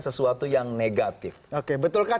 sesuatu yang negatif oke betulkah